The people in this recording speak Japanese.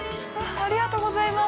ありがとうございます。